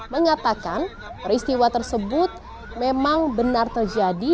mengatakan peristiwa tersebut memang benar terjadi